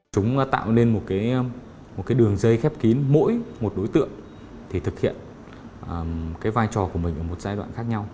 chúng tạo nên một đường dây khép kín mỗi một đối tượng thực hiện vai trò của mình ở một giai đoạn khác nhau